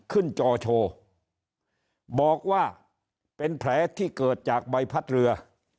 จอโชว์บอกว่าเป็นแผลที่เกิดจากใบพัดเรือ